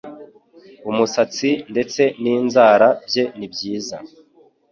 umusatsi ndetse n'inzara bye nibyiza